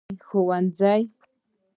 ښوونځي